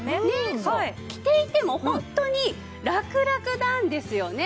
着ていてもホントにラクラクなんですよね。